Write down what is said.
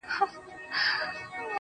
وي لكه ستوري هره شــپـه را روان~